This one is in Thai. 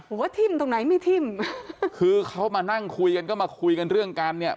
ว่าทิ้มตรงไหนไม่ทิ่มคือเขามานั่งคุยกันก็มาคุยกันเรื่องการเนี่ย